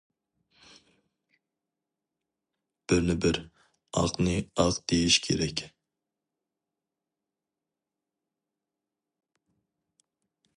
بىرنى بىر، ئاقنى ئاق دېيىش كېرەك!